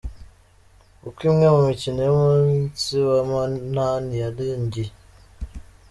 Uko imwe mu mikino y’umunsi wa munani yarangiye:.